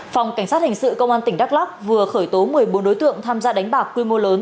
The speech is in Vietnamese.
phòng cảnh sát hình sự công an tỉnh đắk lóc vừa khởi tố một mươi bốn đối tượng tham gia đánh bạc quy mô lớn